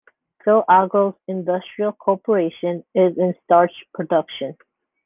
Phil-Agro Industrial Corporation is in starch production.